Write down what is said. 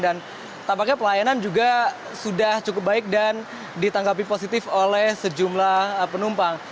dan tampaknya pelayanan juga sudah cukup baik dan ditanggapi positif oleh sejumlah penumpang